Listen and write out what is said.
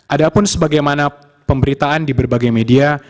adapun sebagaimana pemberitaan di berbagai media